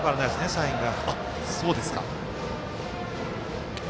サインが。